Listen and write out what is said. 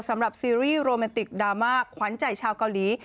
ซีรีส์โรแมนติกดราม่าขวัญใจชาวเกาหลี